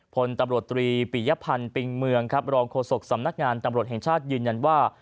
พลตำรวจตรีปิยพันธ์ปิงเมืองครับรองโฆษกสำนักงานตำรวจแห่งชาติยืนยันว่า